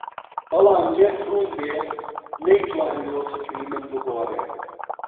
بەڵام لێت ڕوون بێ نەیتوانیوە فکری من بگۆڕێ